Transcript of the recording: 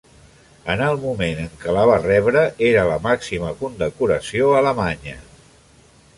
En el moment en què la va rebre era la màxima condecoració alemanya.